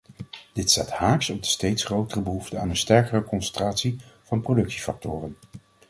Dit staat haaks op de steeds grotere behoefte aan een sterkere concentratie van productiefactoren.